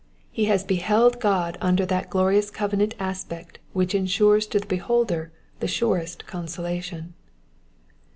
He has beheld God under that glorious covenant aspect which ensures to the beholder the surest consolation.